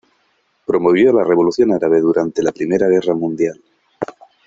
Promovió la revolución árabe durante la Primera Guerra Mundial.